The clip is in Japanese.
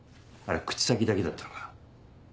あれは口先だけだったのか？